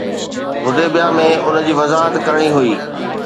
حديبيه ۾ ان جي وضاحت ڪرڻي هئي